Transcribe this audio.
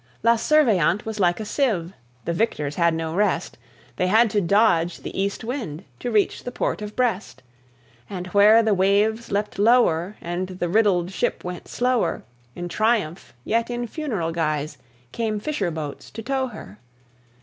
La Surveillante was like a sieve; the victors had no rest; They had to dodge the east wind to reach the port of Brest. And where the waves leapt lower and the riddled ship went slower, In triumph, yet in funeral guise, came fisher boats to tow her.